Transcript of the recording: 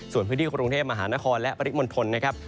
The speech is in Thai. ส่วนพื้นที่กรุงเทพมหานครและปริมณฑลนะครับ